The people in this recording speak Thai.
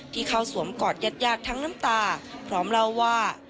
ที่เขาสวมกอดยัดทั้งน้ำตาพร้อมเล่าว่า